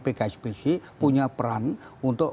pksbc punya peran untuk